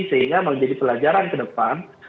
sehingga menjadi pelajaran ke depan